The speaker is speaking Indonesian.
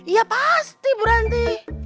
iya pasti bu ranti